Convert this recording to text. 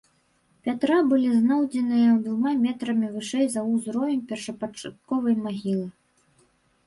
Пятра былі знойдзеныя двума метрамі вышэй за ўзровень першапачатковай магілы.